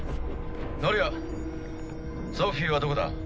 ノレアソフィはどこだ？